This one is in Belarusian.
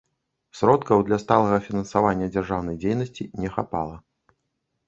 Сродкаў для сталага фінансавання дзяржаўнай дзейнасці не хапала.